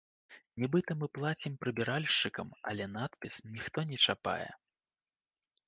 Нібыта мы плацім прыбіральшчыкам, але надпіс ніхто не чапае.